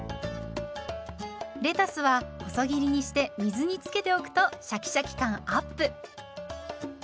レタスは細切りにして水につけておくとシャキシャキ感アップ。